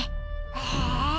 へえ。